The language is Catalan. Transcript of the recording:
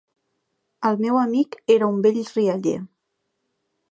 El meu amic era un vell rialler.